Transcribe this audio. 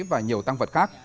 và nhiều tăng vật khác